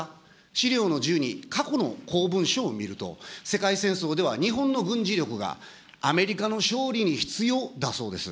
資料の１０に過去の公文書を見ると、世界戦争では日本の軍事力がアメリカの勝利に必要だそうです。